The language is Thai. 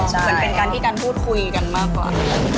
เหมือนเป็นการที่การพูดคุยกันมากกว่า